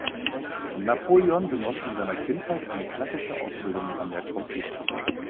Napoleon genoss in seiner Kindheit eine klassische Ausbildung an der Trompete.